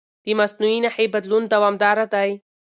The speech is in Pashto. د مصنوعي نښې بدلون دوامداره دی.